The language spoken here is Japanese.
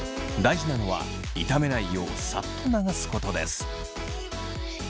大事なのは傷めないようさっと流すことです。